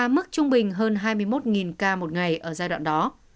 mức trung bình hơn hai mươi một ca một ngày ở giai đoạn đó